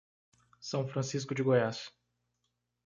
São Francisco de Goiás